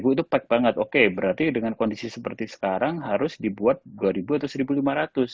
empat itu baik banget oke berarti dengan kondisi seperti sekarang harus dibuat dua atau satu lima ratus